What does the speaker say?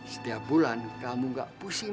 setiap bulan kamu gak pusing